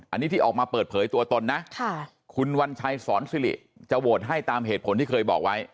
อันนี้ที่ออกมาเปิดเผยตัวตนนะคุณวัญชัยสอนสิริจะโหวตให้ตามเหตุผลที่เคยบอกไว้